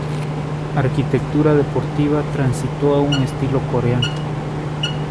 Arquitectura deportiva transitó a un estilo coreano.